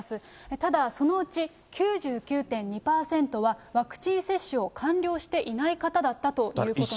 ただ、そのうち９９．２％は、ワクチン接種を完了していない方だったということなんです。